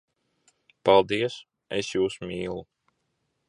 Paldies! Es jūs mīlu!